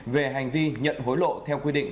về hành vi nhận hối lộ theo quy định